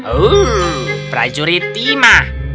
oh prajurit timah